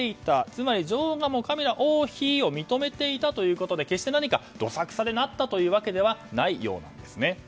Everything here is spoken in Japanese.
つまり女王がカミラ王妃を認めていたということで決して、どさくさでなったということではないようです。